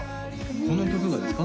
この曲がですか？